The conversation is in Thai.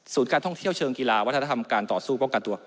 การท่องเที่ยวเชิงกีฬาวัฒนธรรมการต่อสู้ป้องกันตัว